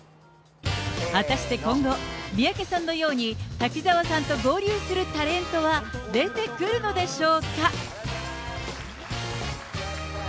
果たして今後、三宅さんのように、滝沢さんと合流するタレントは出てくるのでしょうか。